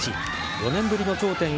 ４年ぶりの頂点へ